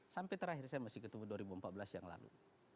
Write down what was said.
sampai terakhir saya masih ketemu dua ribu empat belas yang lalu